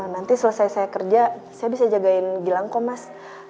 nanti selesai saya kerja saya bisa jagain gilang kok mas